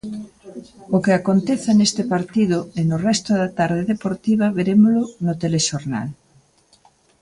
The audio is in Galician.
O que aconteza neste partido e no resto da tarde deportiva verémolo no Telexornal.